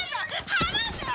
離せよ！